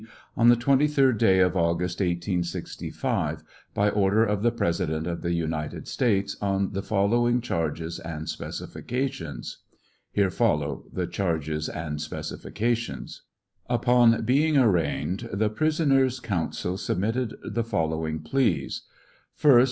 on the 23d day of August, 1865, by order of the President of the United States, on the following charges and specifications. [Here follow the charges and specifications.] Upon being arraigned, the prisoner's counsel submitted the following pleas : 1st.